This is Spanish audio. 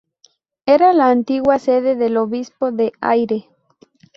Era la antigua sede del obispo de Aire.